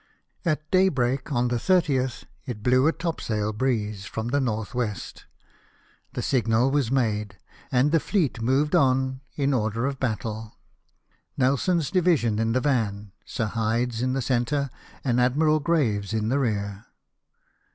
A t daybreak on the 30th it blew a topsail breeze from N.W. The signal was made, and the fleet moved on in order of battle — Nelson's division in the van. Sir Hyde's in the centre, and Admiral Graves' in the rear.